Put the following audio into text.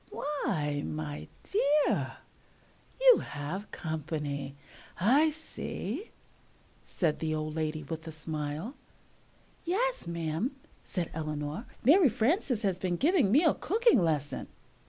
"Why, my dear, you have company, I see," said the old lady with a smile. "Yes, ma'am," said Eleanor, "Mary Frances has been giving me a cooking lesson."